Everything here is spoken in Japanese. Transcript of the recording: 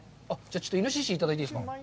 ちょっとイノシシ、いただいていいですか。